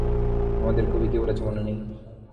আমাদের কবি কী বলেছে মনে নেই?